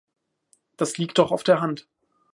Das liegt doch auf der Hand!